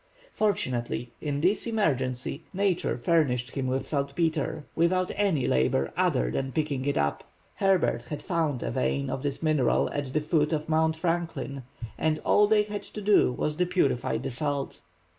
Fortunately, in this emergency, Nature furnished him with saltpetre, without any labor other than picking it up. Herbert had found a vein of this mineral at the foot of Mount Franklin, and all they had to do was to purify the salt.